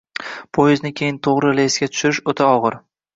poyezdni keyin to‘g‘ri relsga tushirish – o‘ta og‘ir